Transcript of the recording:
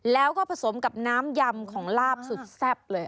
แล้วก็ผสมกับน้ำยำของลาบสุดแซ่บเลย